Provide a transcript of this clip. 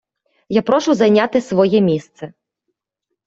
я прошу зайняти своє місце!